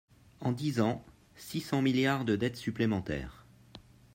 En dix ans, six cents milliards de dettes supplémentaires